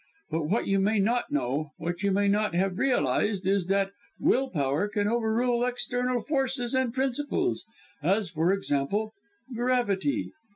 But what you may not know what you may not have realized, is that will power can over rule external forces and principles as for example gravity.